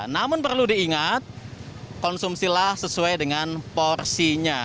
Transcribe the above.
namun perlu diingat konsumsilah sesuai dengan porsinya